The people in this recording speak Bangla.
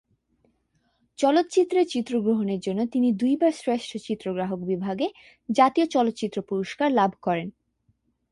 চলচ্চিত্রের চিত্রগ্রহণের জন্য তিনি দুইবার শ্রেষ্ঠ চিত্রগ্রাহক বিভাগে জাতীয় চলচ্চিত্র পুরস্কার লাভ করেন।